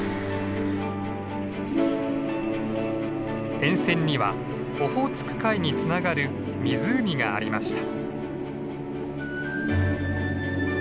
沿線にはオホーツク海につながる湖がありました。